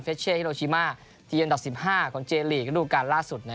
เฟชเช่ฮิโรชิมาทีเย็นดับ๑๕ของเจรีย์ลีกรูปการณ์ล่าสุด